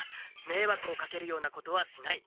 めいわくをかけるようなことはしない。